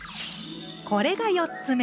これが４つ目！